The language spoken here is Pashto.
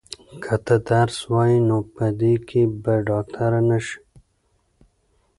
که ته درس ووایې نو په دې کې به ډاکټره نه شې.